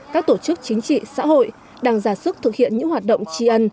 các tổ chức chính trị xã hội đang giả sức thực hiện những hoạt động tri ân